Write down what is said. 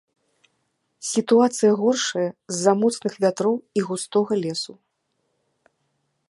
Сітуацыя горшае з-за моцных вятроў і густога лесу.